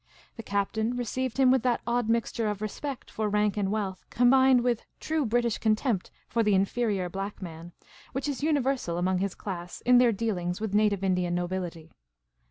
The captain received him with that odd mix ture of respect for rank and wealth, combined with true British contempt for the inferior black man, which is uni versal among his class in their dealings with native Indian nobility.